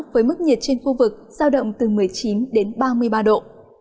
với mức nhiệt trên khu vực giao động từ một mươi chín đến ba mươi ba độ